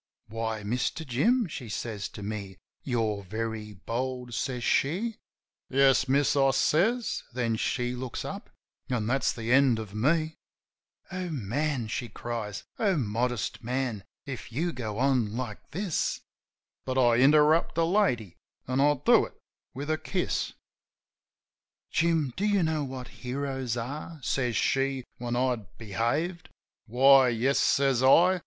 "Why, Mister Jim," she says to me. "You're very bold," says she. "Yes, miss," I says. Then she looks up — an' that's the end of me. ... "O man !" she cries. "O modest man, if you go on like this —" But I interrupt a lady, an' I do it with a kiss. GREY THRUSH 93 "Jim, do you know what heroes are?" says she, when I'd "behaved." "Why, yes," says I.